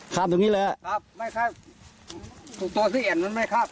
ข้ามตรงนี้เลยครับไม่ข้ามตัวที่แอ่นมันไม่ข้าม